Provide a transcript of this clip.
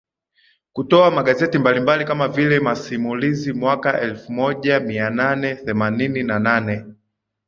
Kutoa magazeti mbalimbali kama vile masimulizi mwaka elfumoja mianane themanini na nane